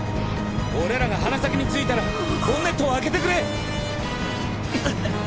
俺らが鼻先に着いたらボンネットを開けてくれ！